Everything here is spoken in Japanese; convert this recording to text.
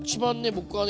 僕はね